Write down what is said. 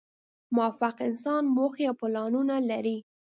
موفق انسانان موخې او پلانونه لري.